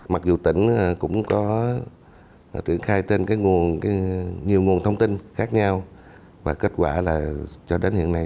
mặc dù tỉnh cũng có triển khai trên nhiều nguồn thông tin khác nhau và kết quả là cho đến hiện nay